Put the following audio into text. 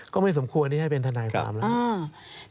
ก็ไม่สมควรให้เป็นทนายความนะครับ